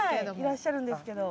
いらっしゃるんですけど。